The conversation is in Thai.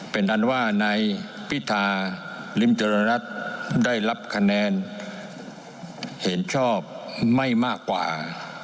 เป็นอันว่านายพิธาริมเจริญรัฐได้รับคะแนนเห็นชอบไม่มากกว่า